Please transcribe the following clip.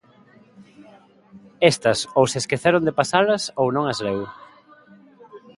Estas, ou se esqueceron de pasalas, ou non as leu.